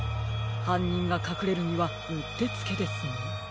はんにんがかくれるにはうってつけですね。